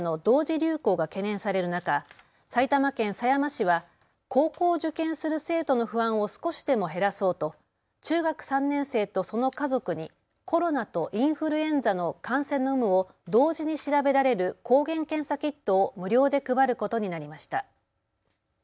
流行が懸念される中、埼玉県狭山市は高校を受験する生徒の不安を少しでも減らそうと中学３年生とその家族にコロナとインフルエンザの感染の有無を同時に調べられる抗原検査キットを無料で配ることになりました。